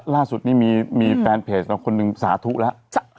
ล่าสุดนี้มีแฟนเพจของคนหนึ่งสาธุแล้ว